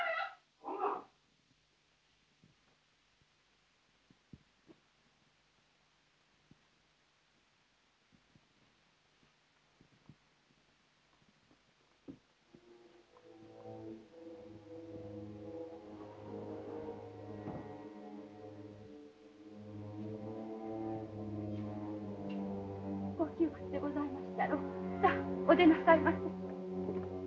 さあお出なさいませ。